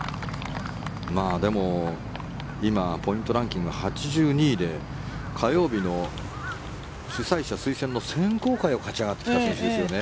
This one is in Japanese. でも、今ポイントランキング８２位で火曜日の主催者推薦の選考会を勝ち上がってきた選手ですよね。